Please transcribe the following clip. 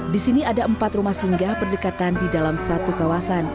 di sini ada empat rumah singgah berdekatan di dalam satu kawasan